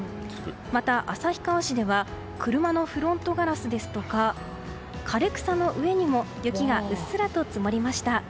また、旭川市では車のフロントガラスですとか枯れ草の上にも雪がうっすらと積もりました。